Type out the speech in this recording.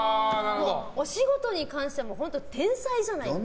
お仕事に関しては天才じゃないですか。